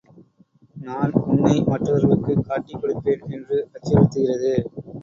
நான் உன்னை மற்றவர்களுக்குக் காட்டிக் கொடுப்பேன்! என்று அச்சுறுத்துகிறது.